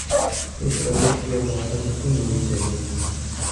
اس روش کی اب حوصلہ شکنی ہونی چاہیے۔